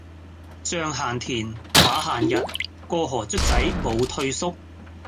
象行田,馬行日,過河卒仔無退縮